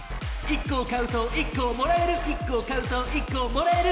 「１個買うと１個もらえる」「１個買うと１個もらえる」